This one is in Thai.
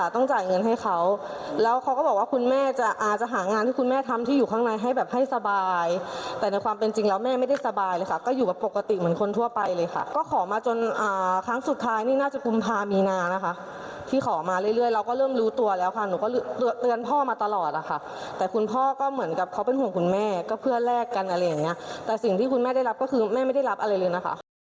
แต่ที่คุณแม่ได้รับก็คือแม่ไม่ได้รับอะไรเลยนะคะ